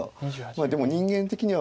でも人間的には。